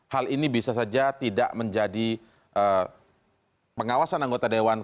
hal ini bisa saja tidak menjadi pengawasan anggota dewan